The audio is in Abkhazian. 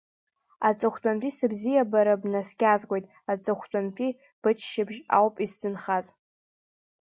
Аҵыхәтәантәи сыбзиабара, бнаскьазгоит, Аҵыхәтәантәи быччаԥшь ауп исзынхаз.